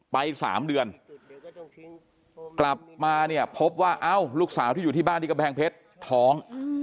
ไป๓เดือนกลับมาเนี่ยพบว่าเอ้าลูกสาวที่อยู่ที่บ้านที่กำแพงเพชรท้อง